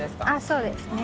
そうですね。